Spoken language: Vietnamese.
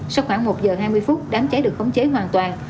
sau khoảng một giờ hai mươi phút đám cháy được khống chế hoàn toàn